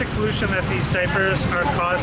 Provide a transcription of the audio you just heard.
puluhan plastik yang mereka buat